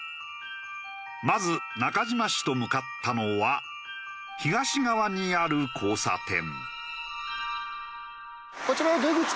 まず中島氏と向かったのは東側にある交差点。